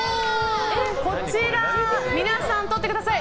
こちら、皆さんとってください。